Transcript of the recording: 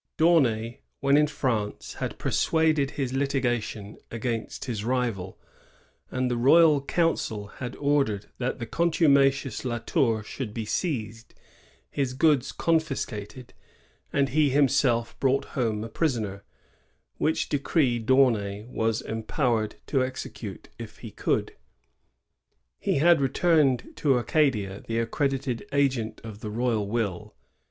D'Aunay, when in France, had pursued his litiga tion against his rival, and the royal council had ordered that the contumacious La Tour should be seized, his goods confiscated, and he himself brought home a prisoner; which decree D'Aunay was empow ered to execute, if he could. He had returned to Acadia the accredited agent of the royal will.